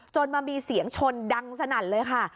มันมีเสียงชนดังสนั่นเลยค่ะ